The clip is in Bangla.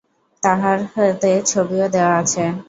তাহাতে ছবিও দেওয়া আছে।